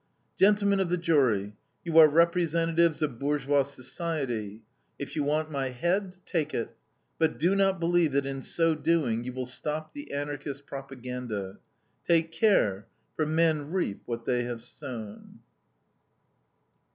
"Gentlemen of the Jury, you are representatives of bourgeois society. If you want my head, take it; but do not believe that in so doing you will stop the Anarchist propaganda. Take care, for men reap what they have sown."